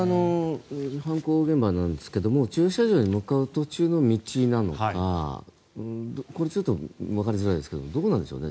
犯行現場なんですけど駐車場に向かう途中の道なのかこれだとちょっと分かりづらいですけどどこなんでしょうね。